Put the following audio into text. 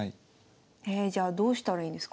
えじゃあどうしたらいいんですか？